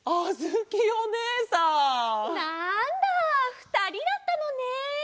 なんだふたりだったのね。